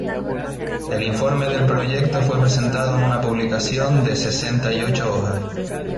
El informe del proyecto fue presentado en una publicación de sesenta y ocho hojas.